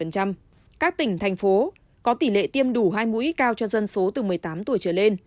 các tỉnh thành phố có tỷ lệ tiêm đủ hai mũi cao cho dân số từ một mươi tám tuổi trở lên